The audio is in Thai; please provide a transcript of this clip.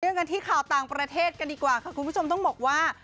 กันที่ข่าวต่างประเทศกันดีกว่าค่ะคุณผู้ชมต้องบอกว่า